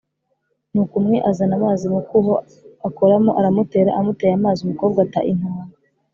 nuko umwe azana amazi mu kuho, akoramo aramutera. amuteye amazi, umukobwa ata intango,